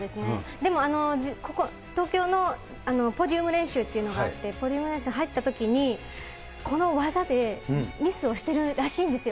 でも、東京のポリウム練習っていうのがあって、ポリウム練習入ったときに、この技で、ミスをしてるらしいんですよ。